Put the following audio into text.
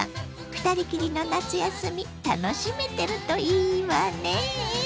２人きりの夏休み楽しめてるといいわね。